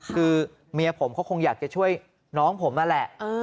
คือเมียผมเขาคงอยากจะช่วยน้องผมนั่นแหละ